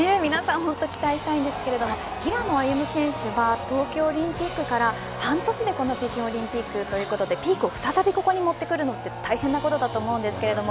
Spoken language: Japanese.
皆さん本当に期待したいですが平野歩夢選手は東京オリンピックから半年でこの北京オリンピックということでピークを再びここに持ってくることは大変だと思います。